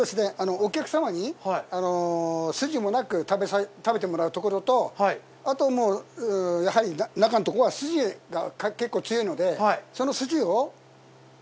お客様に筋もなく食べてもらうところとあともうやはり中のところは筋が結構強いので。